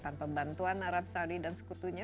tanpa bantuan arab saudi dan sekutunya